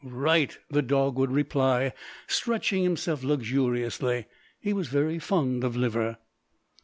"Right!" the dog would reply, stretching himself luxuriously. He was very fond of liver.